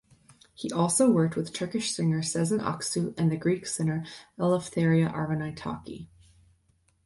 He also worked with Turkish singer Sezen Aksu and the Greek singer Eleftheria Arvanitaki.